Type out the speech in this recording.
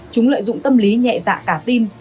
chúng lợi dụng tâm lý nhẹ dạ cả tim